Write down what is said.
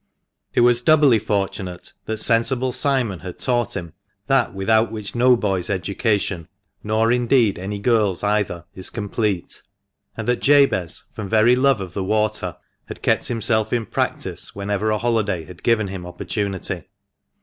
It was doubly fortunate that sensible Simon had taught him that without which no boy's education — nor, indeed, any girl's either — is complete, and that Jabez, from very love of the water, had kept himself in practice whenever a holiday had given him opportunity.